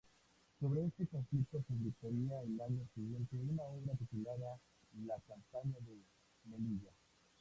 Sobre este conflicto publicaría el año siguiente una obra titulada "La campaña de Melilla".